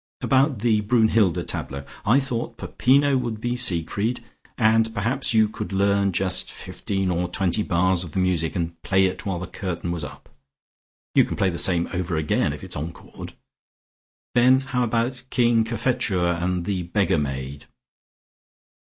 About the Brunnhilde tableaux, I thought Peppino would be Siegfried and perhaps you could learn just fifteen or twenty bars of the music and play it while the curtain was up. You can play the same over again if it is encored. Then how about King Cophetua and the beggar maid.